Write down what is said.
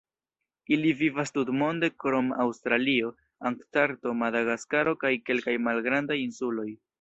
Ili vivas tutmonde krom Aŭstralio, Antarkto, Madagaskaro kaj kelkaj malgrandaj insuloj.